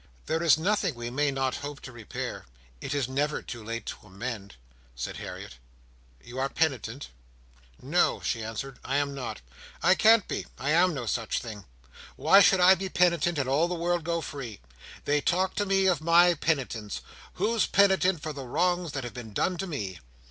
"There is nothing we may not hope to repair; it is never too late to amend," said Harriet. "You are penitent?" "No," she answered. "I am not! I can't be. I am no such thing. Why should I be penitent, and all the world go free? They talk to me of my penitence. Who's penitent for the wrongs that have been done to me?"